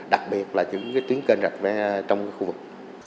đặc biệt là những chuyến kênh rạch vẽ trong khu vực